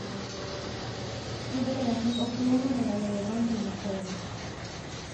Su delegación obtuvo una medalla de bronce en los juegos.